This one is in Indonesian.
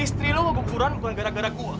eh istri lo keguguran bukan gara gara gue